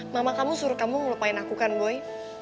mama kamu suruh kamu ngelupain aku kan boy